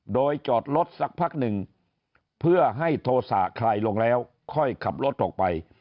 โดยจอดรถสักพักหนึ่งเพื่อให้โทษะคลายลงแล้วค่อยขับรถออกไป